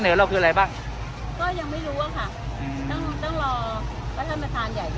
ข้อเสนอเราคืออะไรบ้างก็ยังไม่รู้ว่าค่ะตั้งตั้งรอ